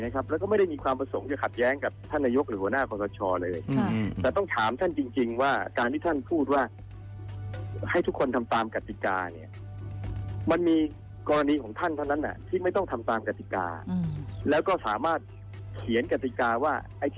เขียนกฎิกาว่าไอ้ที่ไม่ทำตามกฎิกา